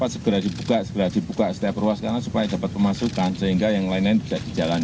segera dibuka setiap ruas sekarang supaya dapat pemasukan sehingga yang lain lain tidak dijalanin